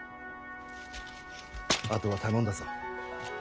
あとは頼んだぞ。